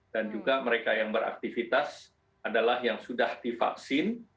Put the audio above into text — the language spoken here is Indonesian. dan juga mereka yang beraktivitas adalah yang sudah divaksin